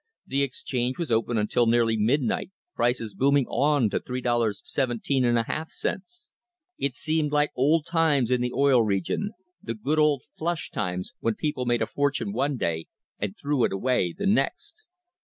The exchange was open until nearly midnight, prices booming on to $3.17^. It seemed like old times in the Oil Region — the good old flush times when people made a fortune one day and threw it away the next!